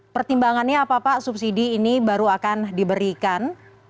pertimbangannya apa pak subsidi ini baru akan diberikan